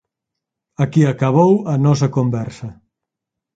Aquí acabou a nosa conversa.